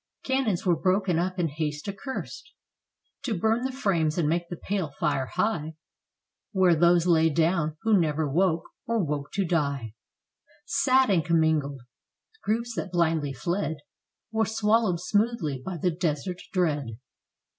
Cannons were broken up in haste accurst To burn the frames and make the pale fire high, Where those lay down who never woke, or woke to die. Sad and commingled, groups that blindly fled Were swallowed smoothly by the desert dread.